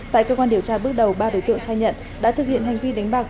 tại cơ quan điều tra bước đầu ba đối tượng khai nhận đã thực hiện hành vi đánh bạc